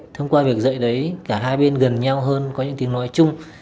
thông qua việc dạy đấy cả hai bên gần nhau hơn có những tiếng nói chung